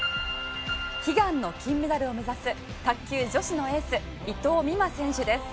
悲願の金メダルを目指す卓球女子のエース伊藤美誠選手です。